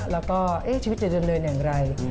แล้วก็ชีวิตจะเดินเรื่องอย่างไร